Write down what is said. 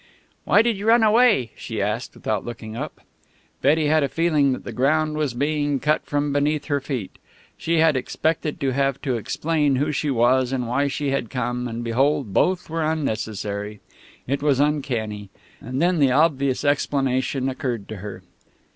"Why did you run away?" she asked without looking up. Betty had a feeling that the ground was being cut from beneath her feet. She had expected to have to explain who she was and why she had come, and behold, both were unnecessary. It was uncanny. And then the obvious explanation occurred to her.